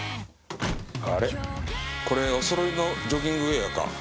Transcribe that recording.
これおそろいのジョギングウェアか？